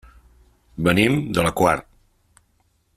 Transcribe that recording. Venim de la Quar.